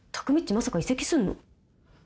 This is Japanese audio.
まさか移籍すんの？